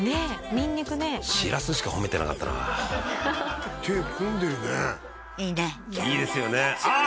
ニンニクねしらすしか褒めてなかったな手込んでるねいいねいいですよねあっ！